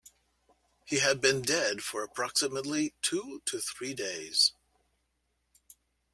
He had been dead for approximately two to three days.